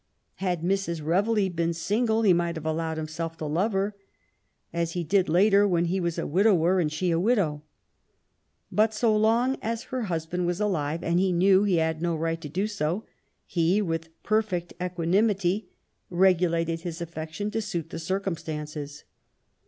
Had Mrs. Reveley been single he might have allowed himself to love her, as he did later, when he was a widower and she a widow. But so long as her husband was alive, and he knew he had no right to do so, he, with perfect equanimity, regulated his affection to suit the circumstances.